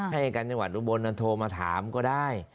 อายการจังหวัดอุบลโทรมาถามก็ได้